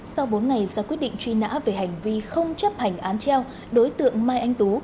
sau bốn ngày ra quyết định truy nã về hành vi không chấp hành án treo đối tượng mai anh tú